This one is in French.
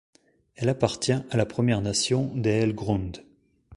Elle appartient à la première nation d'Eel Ground.